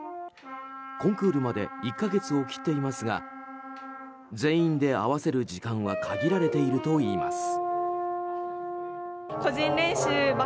コンクールまで１か月を切っていますが全員で合わせる時間は限られているといいます。